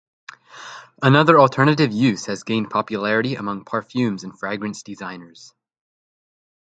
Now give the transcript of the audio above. Another alternative use has gained popularity among parfumes and fragrance designers.